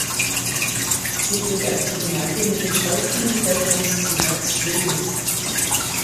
Sie gilt als die Gemeinde mit dem stärksten Bevölkerungszuwachs Schwedens.